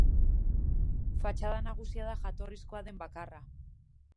Fatxada nagusia da jatorrizkoa den bakarra.